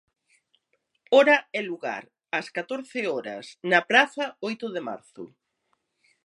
Hora e lugar: ás catorce horas, na Praza Oito de Marzo.